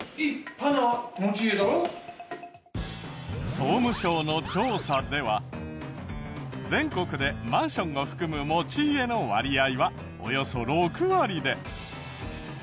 総務省の調査では全国でマンションを含む持ち家の割合はおよそ６割で。